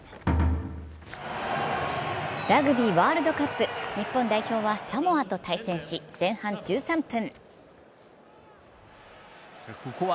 ラグビーワールドカップ、日本代表はサモアと対戦し、前半１３分。